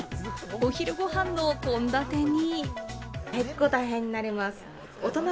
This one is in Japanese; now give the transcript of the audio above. お昼ご飯の献立に。